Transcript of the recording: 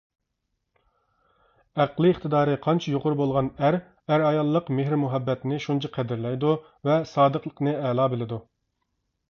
ئەقلىي ئىقتىدارى قانچە يۇقىرى بولغان ئەر ئەر-ئاياللىق مېھىر مۇھەببەتنى شۇنچە قەدىرلەيدۇ ۋە سادىقلىقنى ئەلا بىلىدۇ.